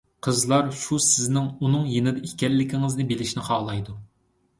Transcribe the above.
قىزلار شۇ سىزنىڭ ئۇنىڭ يېنىدا ئىكەنلىكىڭىزنى بىلىشنى خالايدۇ.